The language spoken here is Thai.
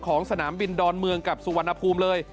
สนามบินดอนเมืองกับสุวรรณภูมิเลย